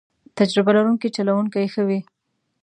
تجربه لرونکی چلوونکی ښه وي.